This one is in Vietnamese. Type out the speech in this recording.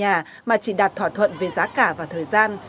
các đối tượng dễ dàng thuê nhà mà chỉ đạt thỏa thuận về giá cả và thời gian